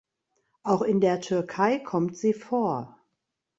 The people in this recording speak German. Auch in der Türkei kommt sie vor.